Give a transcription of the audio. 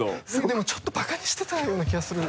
でもちょっとバカにしてたような気がする。